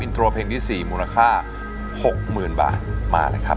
โทรเพลงที่๔มูลค่า๖๐๐๐๐บาทมานะครับ